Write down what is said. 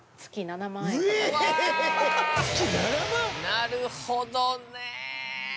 なるほどね。